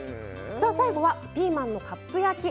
さあ最後はピーマンのカップ焼き。